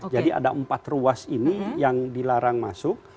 jadi ada empat ruas ini yang dilarang masuk